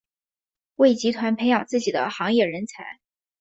为集团培养自己的行业人才。